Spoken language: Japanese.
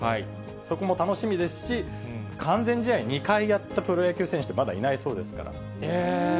そこも楽しみですし、完全試合２回やったプロ野球選手ってまだいないそうですから。